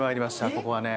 ここはね。